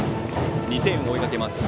２点を追いかけます